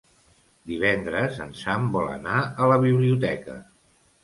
Divendres en Sam vol anar a la biblioteca.